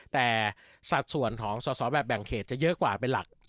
แต่สัดส่วนของสอสอแบบแบ่งเขตจะเยอะกว่าเป็นหลัก